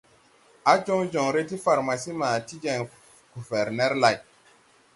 Á jɔŋ jɔŋre ti farmasi ma ti jeŋ goferner lay.